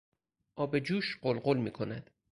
آب جوش غل غل میکند.